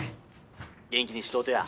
元気にしとうとや。